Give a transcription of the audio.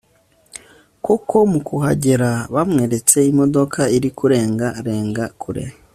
koko mu kuhagera bamweretse imodoka iri kurenga renga kure